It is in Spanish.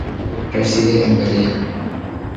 Reside en Berlín.